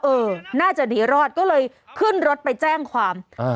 เออน่าจะหนีรอดก็เลยขึ้นรถไปแจ้งความอ่า